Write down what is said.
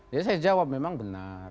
jadi saya jawab memang benar